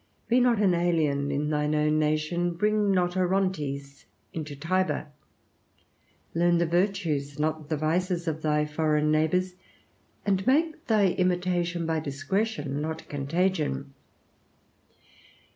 Be not an alien in thine own nation; bring not Orontes into Tiber; learn the virtues, not the vices, of thy foreign neighbors, and make thy imitation by discretion, not contagion.